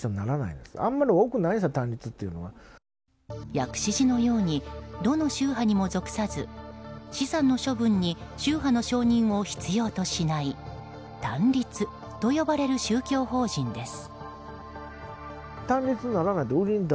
薬師寺のようにどの宗派にも属さず資産の処分に宗派の承認を必要としない単立と呼ばれる宗教法人です。